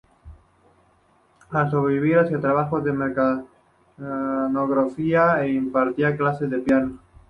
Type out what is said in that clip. Para sobrevivir hacía trabajos de mecanógrafa e impartía clases de piano.